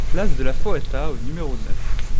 Place de la Foata au numéro neuf